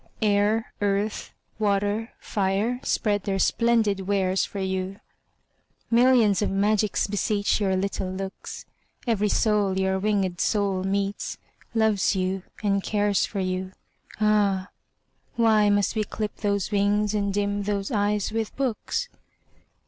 Air, earth, water, fire, spread their splendid wares for you. Millions of magics beseech your little looks; Every soul your winged soul meets, loves you and cares for you. Ah! why must we clip those wings and dim those eyes with books?